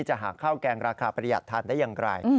จะหาข้าวแกงราคาประหยัดทานได้อย่างไร